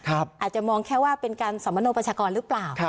อาจจะมองแค่ว่าเป็นการสมโนประชากรหรือเปล่า